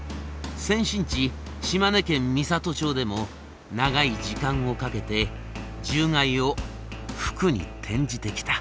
先進地島根県美郷町でも長い時間をかけて獣害を福に転じてきた。